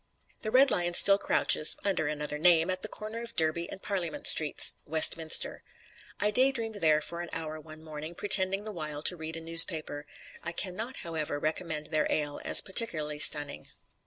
The Red Lion still crouches (under another name) at the corner of Derby and Parliament Streets, Westminster. I daydreamed there for an hour one morning, pretending the while to read a newspaper. I can not, however, recommend their ale as particularly stunning.